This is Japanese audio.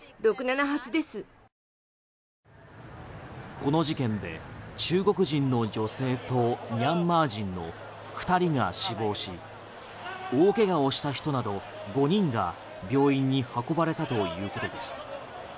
この事件で中国人の女性とミャンマー人の２人が死亡し大けがをした人など５人が病院に運ばれたということです。